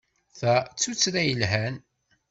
Ta d tuttra yelhan.